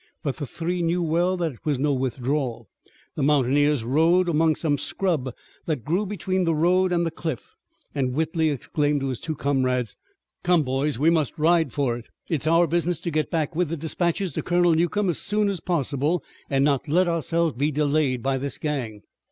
But the three knew well that it was no withdrawal. The mountaineers rode among some scrub that grew between the road and the cliff; and Whitley exclaimed to his two comrades: "Come boys, we must ride for it! It's our business to get back with the dispatches to Colonel Newcomb as soon as possible, an' not let ourselves be delayed by this gang."